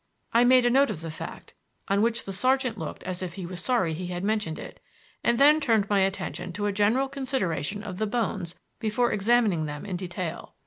I made a note of the fact (on which the sergeant looked as if he was sorry he had mentioned it), and then turned my attention to a general consideration of the bones before examining them in detail.